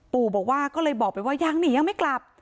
ปู่บอกว่าก็เลยบอกไปว่ายังหนียังไม่กลับ